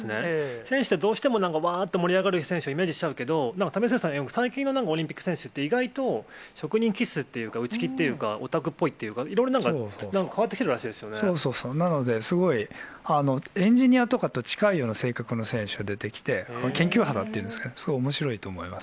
選手って、どうしても、うわぁって盛り上がる選手をイメージしちゃうけど、なんか為末さんいわく、最近のなんかオリンピック酒って、意外と、職人気質っていうか、内気っていうか、オタクっぽいっていうか、いろいろなんか、そうそうそう、なのですごい、エンジニアとかと近いような性格の選手、出てきて、研究肌っていうんですかね、すごいおもしろいと思います。